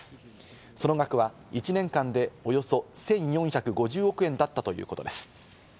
その額は１年間でおよそ１４５０億円だったということです。